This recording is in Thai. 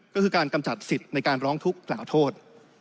ก็คือการกำจัดสิทธิ์ในการร้องทุกข์กล่าวโทษ